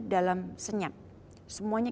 dalam senyap semuanya